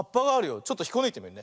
ちょっとひっこぬいてみるね。